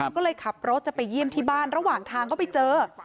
ก็เลยขับรถจะไปเยี่ยมที่บ้านระหว่างทางก็ไปเจอ